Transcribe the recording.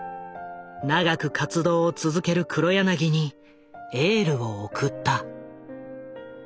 長く活動を続ける黒柳にエールを送った。